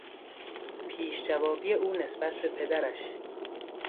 پیشجوابی او نسبت به پدرش